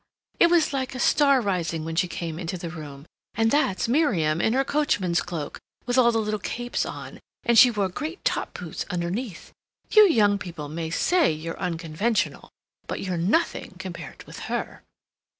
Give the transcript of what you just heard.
it was like a star rising when she came into the room. And that's Miriam, in her coachman's cloak, with all the little capes on, and she wore great top boots underneath. You young people may say you're unconventional, but you're nothing compared with her."